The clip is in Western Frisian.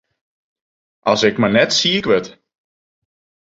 As ik mar net siik wurd!